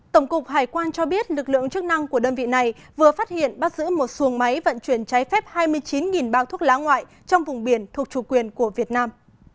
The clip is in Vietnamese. tổng cục hải quan cho biết lực lượng chức năng của đơn vị này vừa phát hiện bắt giữ một xuồng máy vận chuyển trái phép hai mươi chín bao thuốc lá ngoại trong vùng biển thuộc chủ quyền của việt nam